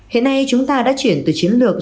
hiện nay chúng ta đã chuyển từ chiến lược